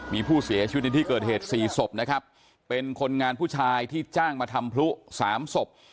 มีผู้เสียชีวิตในที่เกิดเหตุสี่ศพนะครับเป็นคนงานผู้ชายที่จ้างมาทำพลุสามศพ